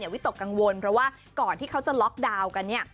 วิตกกังวลเพราะว่าก่อนที่เขาจะล็อกดาวน์กันเนี่ย